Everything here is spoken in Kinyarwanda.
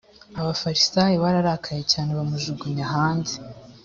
abafarisayo bararakaye cyane bamujugunya hanze